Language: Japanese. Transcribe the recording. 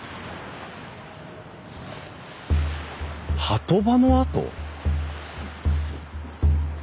波止場の跡？